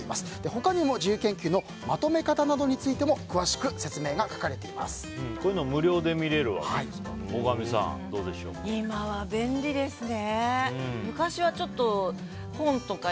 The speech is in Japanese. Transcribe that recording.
他にも自由研究のまとめ方などについても詳しく説明がこういうの無料で見れるわけですか。